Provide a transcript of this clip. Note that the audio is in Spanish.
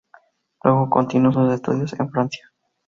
Luego continuó sus estudios en Francia.